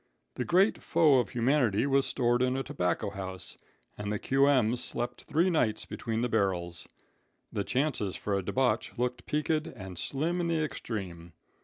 The great foe of humanity was stored in a tobacco house, and the Q.M. slept three nights between the barrels. The chances for a debauch looked peaked and slim in the extreme.